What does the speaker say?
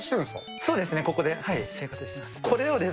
そうですね、ここで生活してます。